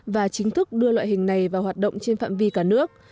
và chính thức đưa loại hình này vào hoạt động trên phạm vi cả nước